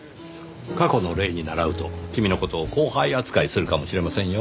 過去の例にならうと君の事を後輩扱いするかもしれませんよ。